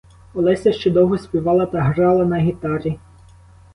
Олеся ще довго співала та грала на гітарі.